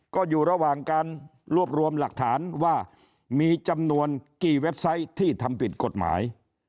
ก็อยู่ระหว่างการรวบรวมหลักฐานว่ามีจำนวนกี่เว็บไซต์ที่ทำผิดกฎหมาย